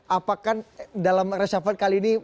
apakah dalam reshuffle kali ini